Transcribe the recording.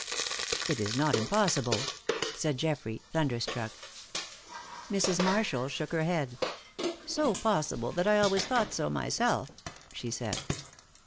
"It is not impossible," said Geoffrey, thunderstruck. Mrs. Marshall shook her head. "So possible that I always thought so myself," she said.